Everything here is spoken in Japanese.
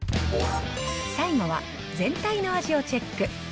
最後は全体の味をチェック。